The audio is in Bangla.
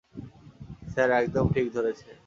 স্যার, একদম ঠিক ধরেছেন।